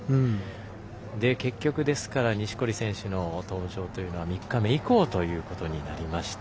結局、ですから錦織選手の登場というのは３日目以降ということになりました。